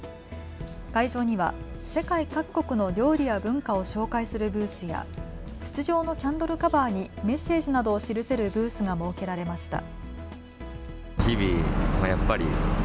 会場には世界各国の料理や文化を紹介するブースや筒状のキャンドルカバーにメッセージなどを記せるブースが設けられました。